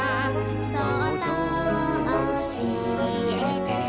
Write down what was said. そっとおしえて」